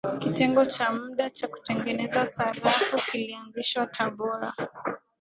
kitengo cha muda cha kutengeneza sarafu kilianzishwa tabora